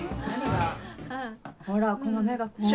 ほらこの目が怖い。